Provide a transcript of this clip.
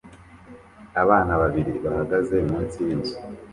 Abana babiri bahagaze munsi yinzu